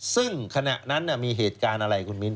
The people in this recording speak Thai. ซึ่งขณะนั้นมีเหตุการณ์อะไร